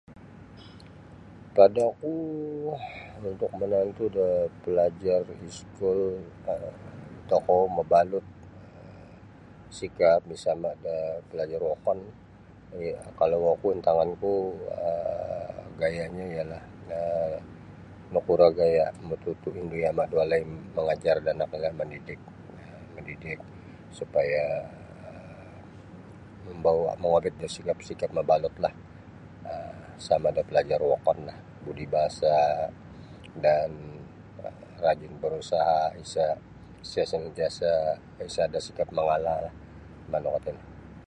Padaku untuk manantu' da palajar iskul um tokou mabalut sikap misama' da palajar wokon um kalau oku antanganku um gaya'nyo ialah na nakuro gaya' mututu indu' yama' da walai mangajar da anak-anak mandidik mandidik supaya mambawa mongobit da sikap -sikap mabalut sama da palajar wokon budi bahasa' dan rajin barusaha' isa' santiasa' sada' sikap mangalahlah manu kuo tino.